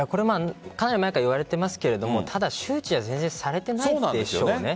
かなり前から言われていますがただ周知は全然されていないんでしょうね。